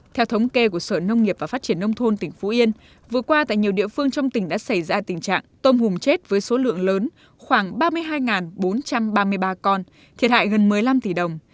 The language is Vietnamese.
theo thống kê của sở nông nghiệp và phát triển nông thôn tỉnh phú yên vừa qua tại nhiều địa phương trong tỉnh đã xảy ra tình trạng tôm hùm chết với số lượng lớn khoảng ba mươi hai bốn trăm ba mươi ba con thiệt hại gần một mươi năm tỷ đồng